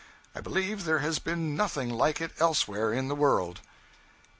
I believe there has been nothing like it elsewhere in the world.